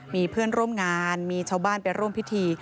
มีเพื่อนร่วมงานมีชาวบ้านไปร่วมพิธี